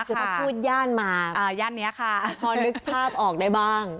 คือถ้าพูดย่านมาย่านนี้ค่ะพอนึกภาพออกได้บ้าง